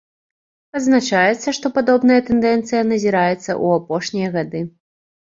Адзначаецца, што падобная тэндэнцыя назіраецца ў апошнія гады.